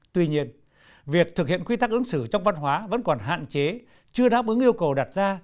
tuy nhiên việc thực hiện quy tắc ứng xử trong văn hóa vẫn còn hạn chế chưa đáp ứng yêu cầu đặt ra